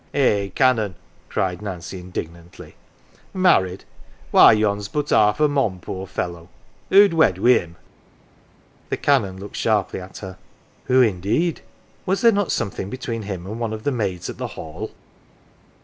" Eh, Canon !" cried Nancy, indignantly. " Married ! Why yon's but half a mon, poor fellow ! Who'd wed wi' him ?" The Canon looked sharply at her. " Who indeed ? Was there not something between him and one of the maids at the Hall